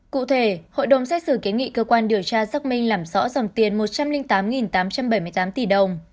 cụ thể hội đồng xét xử kiến nghị cơ quan điều tra xác minh làm rõ dòng tiền một trăm linh tám tám trăm bảy mươi tám tỷ đồng